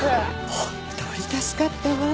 本当に助かったわ。